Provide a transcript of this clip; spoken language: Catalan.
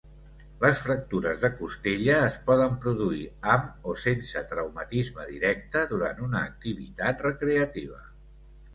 Les fractures de costella es poden produir amb o sense traumatisme directe durant una activitat recreativa.